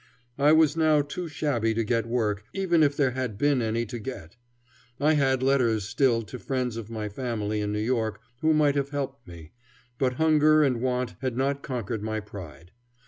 I was now too shabby to get work, even if there had been any to get. I had letters still to friends of my family in New York who might have helped me, but hunger and want had not conquered my pride.